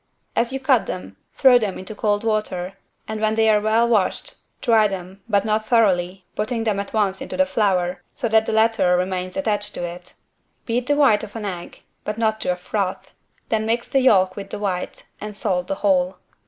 As you cut them, throw them into cold water and when they are well washed, dry them, but not thoroughly, putting them at once into the flour so that the latter remains attached to it. Beat the white of an egg, but not to a froth, then mix the yolk with the white and salt the whole.